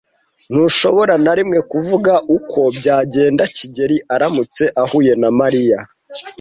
Ntushobora na rimwe kuvuga uko byagenda kigeli aramutse ahuye na Mariya.